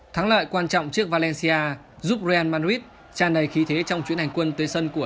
thắng lợi quan trọng trước valencia giúp brand marid tràn đầy khí thế trong chuyến hành quân tới sân của